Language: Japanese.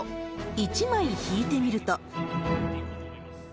１枚引いてみると。